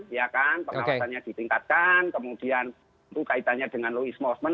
pengawasannya ditingkatkan kemudian itu kaitannya dengan louis mosman